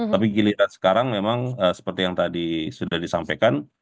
tapi giliran sekarang memang seperti yang tadi sudah disampaikan